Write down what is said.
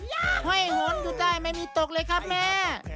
ห้อยหนอยู่ได้ไม่มีตกเลยครับแม่